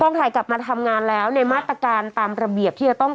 ถ่ายกลับมาทำงานแล้วในมาตรการตามระเบียบที่จะต้อง